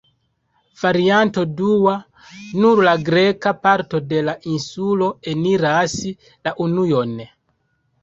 Varianto dua: nur la greka parto de la insulo eniras la Union.